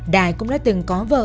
đài cũng đã từng có vợ